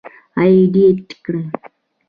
اېډېټ کړ.